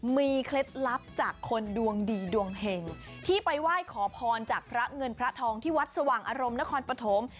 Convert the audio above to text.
มีเคล็ดลับจากคนดวงดีดวงเห็งที่ไปไหว้ขอพรจากพระเงินพระทองที่วัดสว่างอารมณ์นครปฐม